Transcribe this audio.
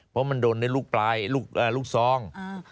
เพราะมันโดนในลูกปลายลูกซอง